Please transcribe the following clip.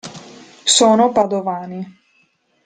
Sono Padovani.